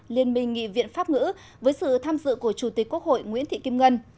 liên minh nghị viện pháp ngữ với sự tham dự của chủ tịch quốc hội nguyễn thị kim ngân